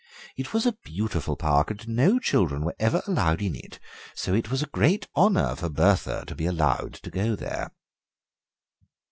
It was a beautiful park, and no children were ever allowed in it, so it was a great honour for Bertha to be allowed to go there."